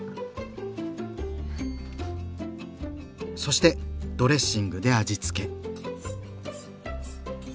そしてドレッシングで味付け。